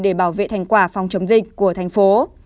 để bảo vệ thành quả phòng chống dịch của thành phố